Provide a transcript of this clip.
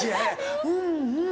「うんうん」